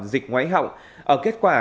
dịch ngoái họng ở kết quả